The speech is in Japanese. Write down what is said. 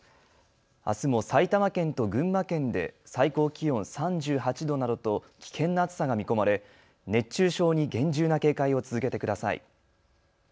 あすも埼玉県と群馬県で最高気温３８度などと危険な暑さが見込まれ熱中症に厳重な警戒を続けてください。